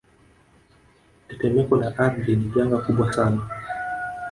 Tetemeko la ardhi ni janga kubwa sana